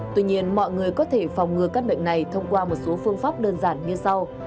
tuy nhiên mọi người có thể phòng ngừa các bệnh này thông qua một số phương pháp đơn giản như sau